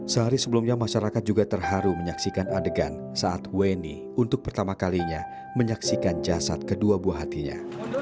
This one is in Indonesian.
sehari sebelumnya masyarakat juga terharu menyaksikan adegan saat weni untuk pertama kalinya menyaksikan jasad kedua buah hatinya